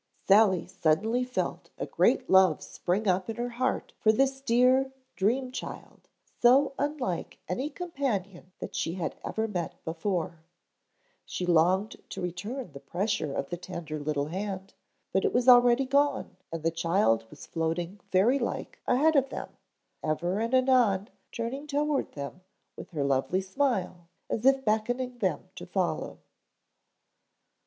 Sally suddenly felt a great love spring up in her heart for this dear dream child, so unlike any companion that she had ever before met. She longed to return the pressure of the tender little hand, but it was already gone and the child was floating fairy like ahead of them, ever and anon turning toward them with her lovely smile as if beckoning them to follow.